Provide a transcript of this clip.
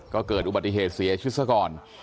ก็เกิดอุบัติเหตุเสียชีวิตซะก่อน